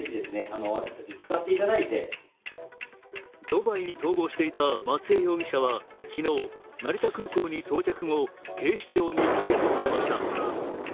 ドバイに逃亡していた松江容疑者は昨日成田空港に到着後、警視庁に逮捕されました。